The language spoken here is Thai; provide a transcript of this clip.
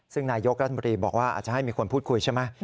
ซึ่งนายกรัฐมนตรีบอกว่าอาจจะให้มีคนพูดคุยใช่ไหม